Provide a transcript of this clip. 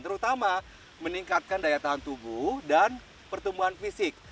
terutama meningkatkan daya tahan tubuh dan pertumbuhan fisik